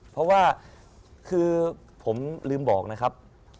เพราะว่าคือผมลืมบอกนะครับ